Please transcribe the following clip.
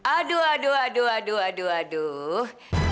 aduh aduh aduh aduh aduh aduh aduh